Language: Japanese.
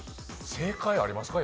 正解ありますか？